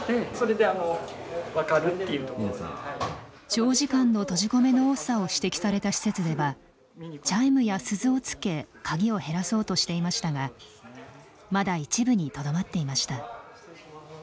長時間の閉じ込めの多さを指摘された施設ではチャイムや鈴をつけ鍵を減らそうとしていましたがまだ一部にとどまっていました。